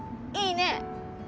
いいね。